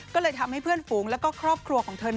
ก็เลยทำให้เพื่อนฝูงแล้วก็ครอบครัวของเธอ